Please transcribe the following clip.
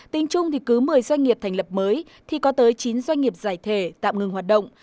tính chung thì cứ một mươi doanh nghiệp thành lập mới thì có tới chín doanh nghiệp giải thể tạm ngừng hoạt động